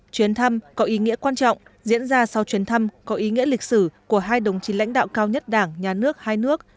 chuyến thăm có ý nghĩa quan trọng diễn ra sau chuyến thăm có ý nghĩa lịch sử của hai đồng chí lãnh đạo cao nhất đảng nhà nước hai nước